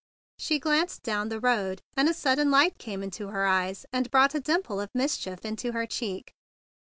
She glanced down the road; and a sudden light came into her eyes, and brought a dimple of mischief into her cheek.